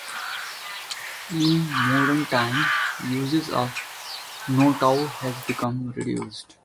In modern times, usage of the kowtow has become reduced.